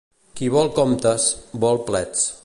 Qui vol comptes, vol plets.